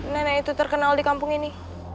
nenek itu terkenal di kampung ini